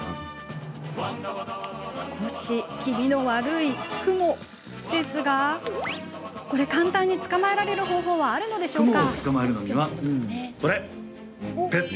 少し気味の悪いクモですが簡単に捕まえられる方法はあるのでしょうか。